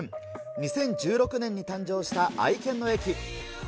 ２０１６年に誕生した愛犬の駅。